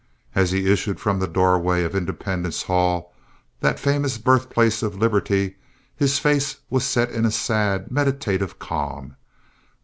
As he issued from the doorway of Independence Hall, that famous birthplace of liberty, his face was set in a sad, meditative calm.